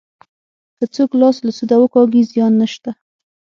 که څوک لاس له سوده وکاږي زیان نشته.